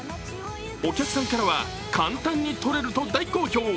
お客さんからは簡単に取れると大好評。